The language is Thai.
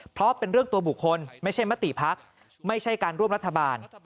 เพราะเป็นเรื่องตัวบุคคลไม่ใช่มติภักดิ์ไม่ใช่การร่วมรัฐบาล